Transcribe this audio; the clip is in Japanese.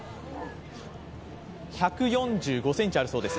１４５ｃｍあるそうです。